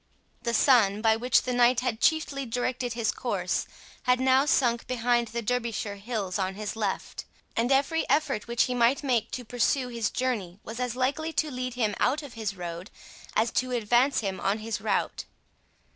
The sun, by which the knight had chiefly directed his course, had now sunk behind the Derbyshire hills on his left, and every effort which he might make to pursue his journey was as likely to lead him out of his road as to advance him on his route.